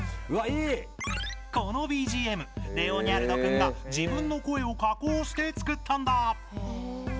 このＢＧＭｌｅｏｎｙａｒｕｄｏくんが自分の声を加工して作ったんだ。